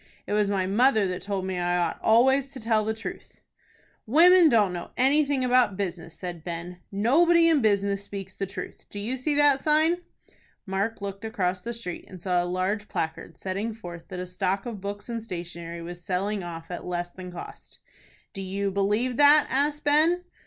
It was my mother that told me I ought always to tell the truth." "Women don't know anything about business," said Ben. "Nobody in business speaks the truth. Do you see that sign?" Mark looked across the street, and saw a large placard, setting forth that a stock of books and stationery was selling off at less than cost. "Do you believe that?" asked Ben.